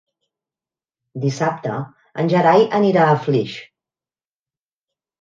Dissabte en Gerai anirà a Flix.